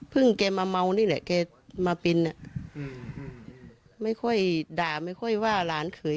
แกมาเมานี่แหละแกมาเป็นไม่ค่อยด่าไม่ค่อยว่าหลานเขย